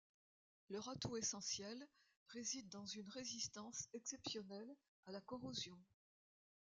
Leur atout essentiel réside dans une résistance exceptionnelle à la corrosion.